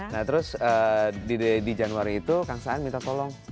nah terus di januari itu kang saan minta tolong